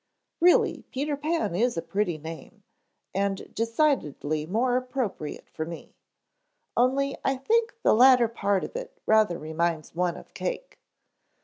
"Really Peter Pan is a pretty name, and decidedly more appropriate for me. Only I think the latter part of it rather reminds one of cake.